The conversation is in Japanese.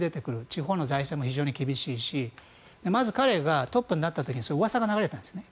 地方の財政も非常に厳しいしまず彼がトップになった時にうわさが流れたんですね。